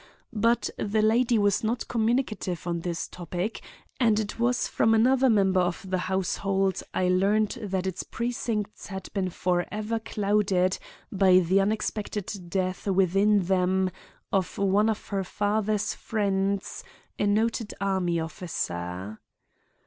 But the lady was not communicative on this topic and it was from another member of the household I learned that its precincts had been forever clouded by the unexpected death within them of one of her father's friends, a noted army officer.